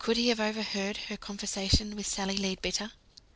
Could he have overheard her conversation with Sally Leadbitter?